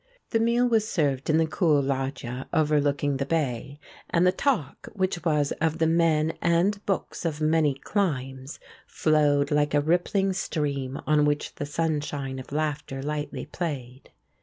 The meal was served in the cool loggia overlooking the bay, and the talk, which was of the men and books of many climes, flowed like a rippling stream on which the sunshine of laughter lightly played.